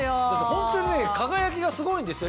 ホントにね輝きがすごいんですよ